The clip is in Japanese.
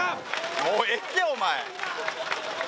もうええってお前。